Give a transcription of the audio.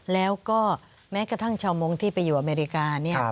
แล้วก็แม้กระทั่งชาวมงค์ที่ไปอยู่อเมริกาเนี่ย